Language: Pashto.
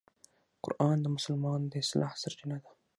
قرآن د مسلمان د اصلاح سرچینه ده.